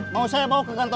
mau saya bawa ke kantor